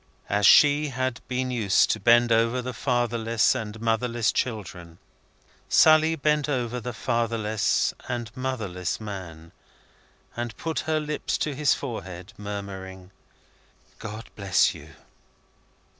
As she had been used to bend over the fatherless and motherless children, Sally bent over the fatherless and motherless man, and put her lips to his forehead, murmuring: "God bless you!"